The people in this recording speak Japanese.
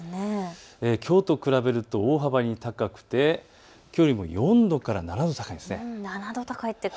きょうと比べると大幅に高くてきょうよりも４度から７度高いです。